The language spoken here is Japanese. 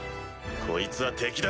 こいつは敵だ。